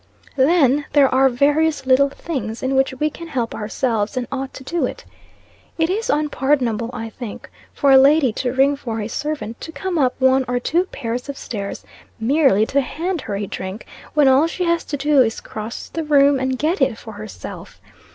Then, there are various little things in which we can help ourselves and ought to do it. It is unpardonable, I think, for a lady to ring for a servant to come up one or two pairs of stairs merely to hand her a drink, when all she has to do is to cross the room, and get it for herself.